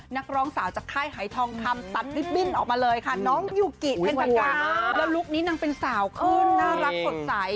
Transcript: นักร้องสาวจากค่ายหายทองคำออกมาเลยค่ะน้องยุกิแล้วลูกนี้นางเป็นสาวขึ้นน่ารักสดใส